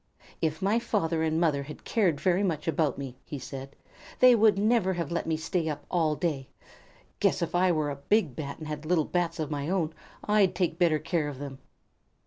"If my father and mother had cared very much about me," he said, "they would never have let me stay up all day. Guess if I were a big Bat and had little Bats of my own, I'd take better care of them!"